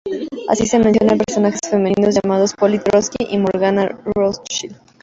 Así, se menciona personajes femeninos llamados Polly Trotsky y Morgana Rothschild.